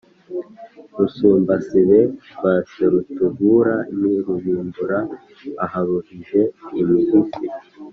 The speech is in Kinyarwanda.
Rusumbasibe rwa Serutabura ni Rubimbura-aharuhije-imihisi